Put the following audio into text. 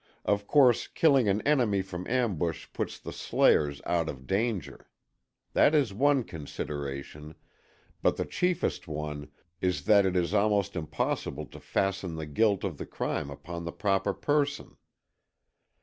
Of course, killing an enemy from ambush puts the slayers out of danger. That is one consideration, but the chiefest one is that it is almost impossible to fasten the guilt of the crime upon the proper person.